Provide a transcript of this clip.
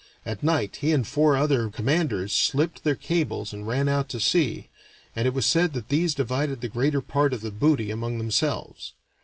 At night he and four other commanders slipped their cables and ran out to sea, and it was said that these divided the greater part of the booty among themselves.